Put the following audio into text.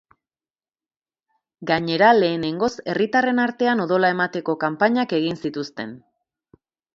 Gainera, lehenengoz, herritarren artean odola emateko kanpainak egin zituzten.